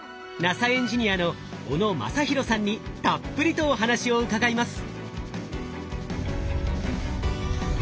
エンジニアの小野雅裕さんにたっぷりとお話を伺います。